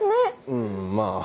うんまぁ。